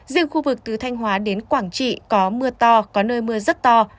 riêng khu vực từ thanh hóa đến quảng trị có mưa to có nơi mưa rất to